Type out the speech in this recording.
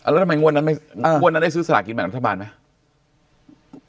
แล้วทำไมงวดนั้นได้ซื้อสละกินแบบรัฐบาลไหม